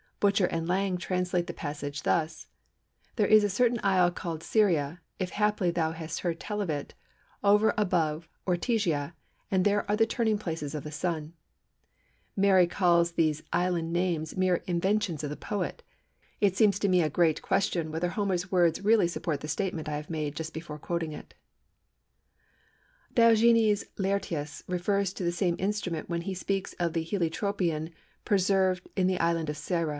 Butcher and Lang translate the passage thus:—"There is a certain isle called Syria, if haply thou hast heard tell of it, over above Ortygia, and there are the turning places of the Sun." Merry calls these island names mere "inventions of the poet." It seems to me a great question whether Homer's words really support the statement I have made just before quoting it. Diogenes Laërtius refers to this same instrument when he speaks of the Heliotropion preserved in the Island of Syra.